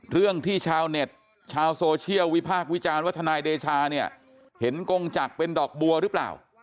เรื่องที่ชาวเน็ตชาวโซเชียลวิพากษ์วิจารณ์ว่าทนายเดชาเนี่ยเห็นกงจักรเป็นดอกบัวหรือเปล่า